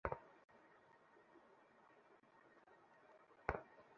তোর মাল আসছে।